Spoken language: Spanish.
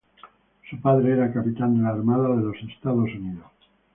Su padre era capitán de la Armada de los Estados Unidos.